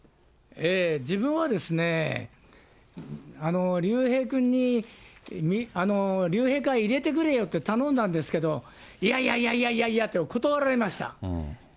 自分はですね、竜兵君に竜兵会入れてくれよって頼んだんですけど、いやいやいやいやと、断られました。